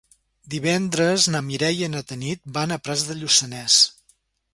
Divendres na Mireia i na Tanit van a Prats de Lluçanès.